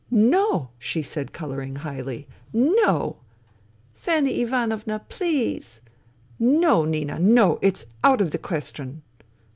"No !" she said, colouring highly. "No !"" Fanny Ivanovna, please I "" No, Nina, no. It's out of the question.